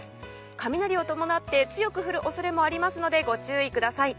雷を伴って強く降る恐れもあるのでご注意ください。